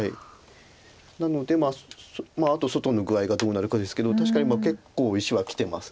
なのであと外の具合がどうなるかですけど確かに結構石はきてます。